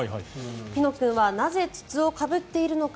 ピノ君はなぜ、筒をかぶっているのか。